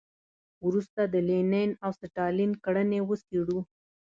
وروسته د لینین او ستالین کړنې وڅېړو.